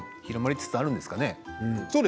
広まりつつあるんですかね？